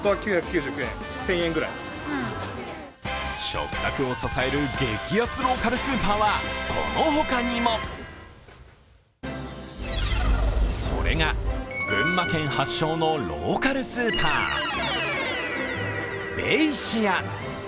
食卓を支える激安ローカルスーパーはこの他にもそれが群馬県発祥のローカルスーパー、ベイシア。